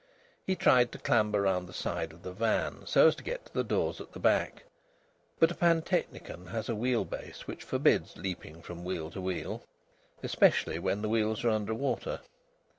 He tried to clamber round the side of the van so as to get to the doors at the back, but a pantechnicon has a wheel base which forbids leaping from wheel to wheel, especially, when the wheels are under water.